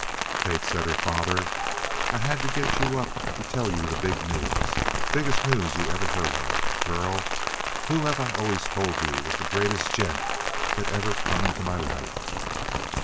"Kate," said her father, "I had to get you up to tell you the big news biggest news you ever heard of! Girl, who've I always told you was the greatest gent that ever come into my life?"